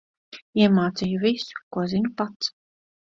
Iemācīju visu, ko zinu pats.